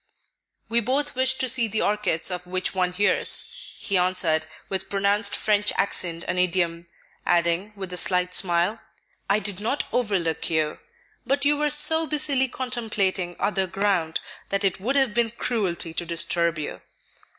"We both wished to see the orchids of which one hears," he answered, with pronounced French accent and idiom; adding, with a slight smile, "I did not overlook you, but you were so busily contemplating other ground that it would have been cruelty to disturb you."